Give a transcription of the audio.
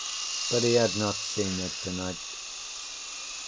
But he had not seen it tonight.